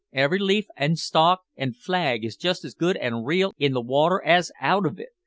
Every leaf, an' stalk, an' flag is just as good an' real in the water as out of it.